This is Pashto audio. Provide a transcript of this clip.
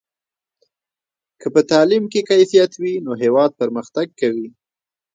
که په تعلیم کې کیفیت وي نو هېواد پرمختګ کوي.